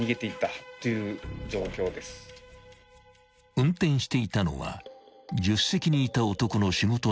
［運転していたのは助手席にいた男の仕事仲間］